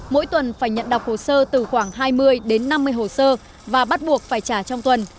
mỗi tuần phải nhận đọc hồ sơ từ khoảng hai mươi đến năm mươi hồ sơ và bắt buộc phải trả trong tuần